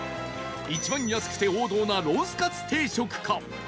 一番安くて王道なロースかつ定食か？